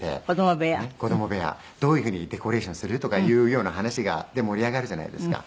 「どういう風にデコレーションする？」とかいうような話で盛り上がるじゃないですか。